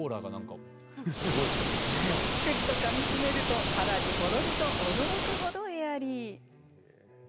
くっとかみしめるとはらりほろりと驚くほどエアリー。